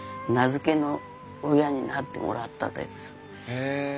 へえ。